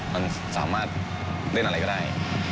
มันสามารถเล่นอะไรก็ได้